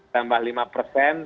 tambah lima persen